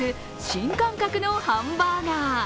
新感覚のハンバーガー